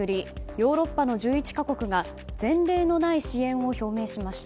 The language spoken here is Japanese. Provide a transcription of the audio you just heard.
ヨーロッパの１１か国が前例のない支援を表明しました。